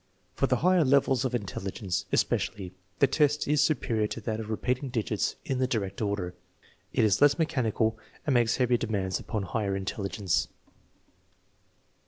For the higher levels of intelligence, especially, the test 330 THE MEASUREMENT OF INTELLIGENCE is superior to that of repeating digits in the direct order. It is less mechanical and makes heavier demands upon higher intelligence.